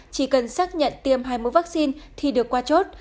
chỉ cần xác nhận tiêm hai mũi vaccine thì được qua chốt